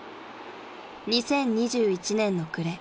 ［２０２１年の暮れ］